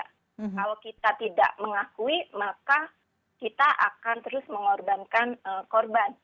kalau kita tidak mengakui maka kita akan terus mengorbankan korban